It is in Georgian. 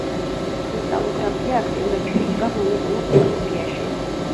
კრისტალოგრაფია აქტიურად შეიჭრა მოლეკულურ ბიოლოგიაში.